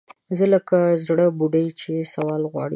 زه لکه زَړه بوډۍ چې سوال غواړي